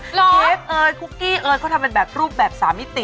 เชฟเอ๋ยคุกกี้เอ๋ยเขาทำเป็นแบบรูปแบบ๓มิติ